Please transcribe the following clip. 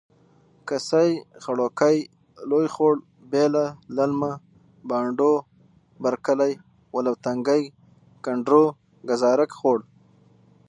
کڅۍ.خوړګۍ.لوی خوړ.بیله.للمه.بانډو.برکلی. ولو تنګی.کنډرو.ګازرک خوړ.